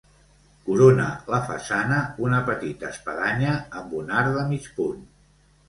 Corona la façana una petita espadanya amb un arc de mig punt.